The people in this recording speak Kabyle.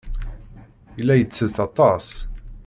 Yella yettett aṭas.